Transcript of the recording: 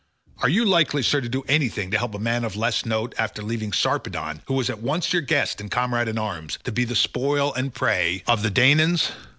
Are you likely, sir, to do anything to help a man of less note, after leaving Sarpedon, who was at once your guest and comrade in arms, to be the spoil and prey of the Danaans?